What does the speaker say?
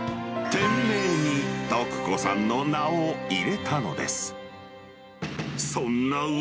店名に徳子さんの名を入れたのです。